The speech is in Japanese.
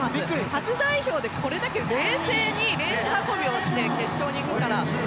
初代表で、これだけ冷静にレース運びをして決勝に行った。